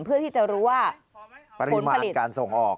เพื่อที่จะรู้ว่าปริมาณการส่งออก